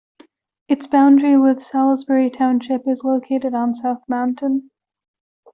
Its boundary with Salisbury Township is located on South Mountain.